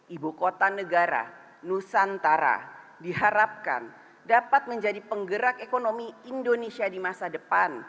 ibu kota negara nusantara diharapkan dapat menjadi penggerak ekonomi indonesia di masa depan